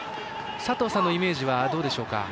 佐藤さんのイメージはどうでしょうか？